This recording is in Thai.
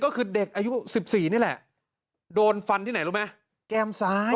ก็คือเด็กอายุ๑๔นี่แหละโดนฟันที่ไหนรู้ไหมแก้มซ้าย